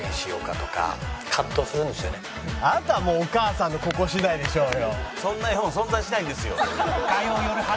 あとはもうお母さんのここ次第でしょうよ。